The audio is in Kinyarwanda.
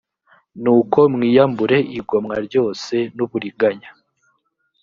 nuko mwiyambure igomwa ryose n’uburiganya